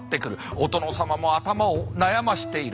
お殿様も頭を悩ましている。